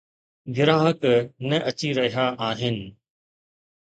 گراهڪ نه اچي رهيا آهن.